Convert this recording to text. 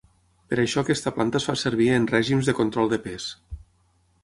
Per això aquesta planta es fa servir en règims de control de pes.